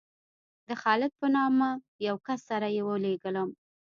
د خالد په نامه یو کس سره یې ولېږلم.